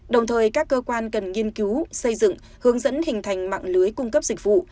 đồng thời các cơ quan cần nghiên cứu xây dựng hướng dẫn hình thành mạng lưới cung cấp dịch vụ